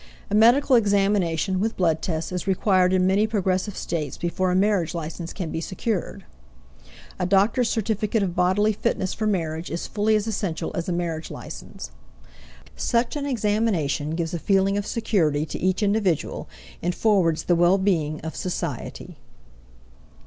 A medical examination, with blood tests, is required in many progressive states before a marriage license can be secured. A doctor's certificate of bodily fitness for marriage is fully as essential as a marriage license. Such an examination gives a feeling of security to each individual and forwards the well being of society.